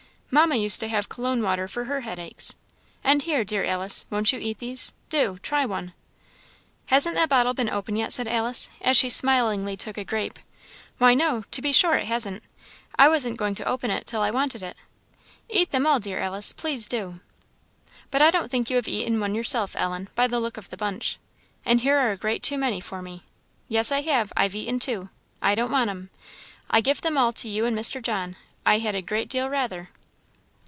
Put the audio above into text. Mamma used to have Cologne water for her headaches. And here, dear Alice, won't you eat these? do! try one." "Hasn't that bottle been open yet?" said Alice, as she smilingly took a grape. "Why, no, to be sure it hasn't. I wasn't going to open it till I wanted it. Eat them all, dear Alice please do!" "But I don't think you have eaten one yourself, Ellen, by the look of the bunch. And here are a great many too many for me." "Yes, I have, I've eaten two; I don't want 'em. I give them all to you and Mr. John. I had a great deal rather!"